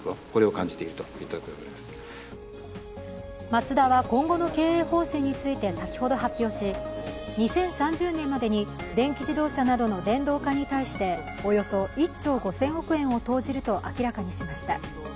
マツダは今後の経営方針について先ほど発表し２０３０年までに電気自動車などの電動化に対しておよそ１兆５０００億円を投じると明らかにしました。